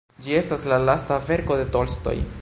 Ĝi estas la lasta verko de Tolstoj.